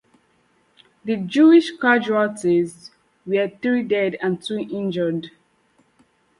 The Jewish casualties were three dead and two injured.